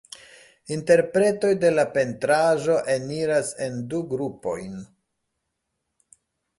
Interpretoj de la pentraĵo eniras en du grupojn.